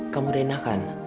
kamu udah enakan